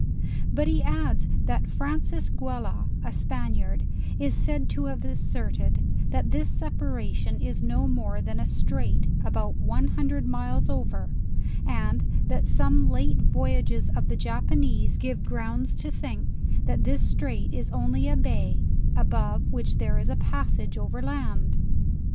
But he adds that Francis Guella, a Spaniard, is said to have asserted, that this separation is no more than a straight, about one hundred miles over, and that some ]ate voyages of the Japanese give grounds to think, that this straight is only a bay, above, which there is a passage over land.